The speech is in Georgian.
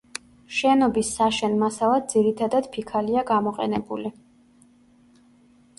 შენობის საშენ მასალად ძირითადად ფიქალია გამოყენებული.